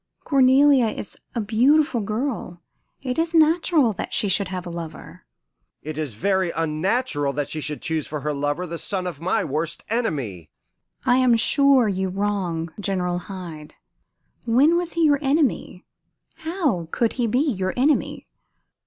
Cornelia is a beautiful girl; it is natural that she should have a lover." "It is very unnatural that she should choose for her lover the son of my worst enemy." "I am sure you wrong General Hyde. When was he your enemy? How could he be your enemy?"